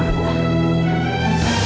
ibu jawab aku yang jujur sekarang